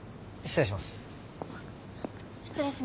失礼します。